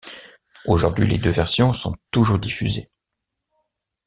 Aujourd'hui, les deux versions sont toujours diffusées.